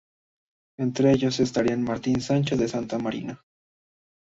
Entre ellos estarían Martín Sancho de Santa Marina.